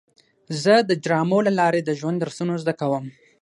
زه د ډرامو له لارې د ژوند درسونه زده کوم.